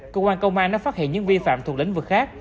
cơ quan công an đã phát hiện những vi phạm thuộc lĩnh vực khác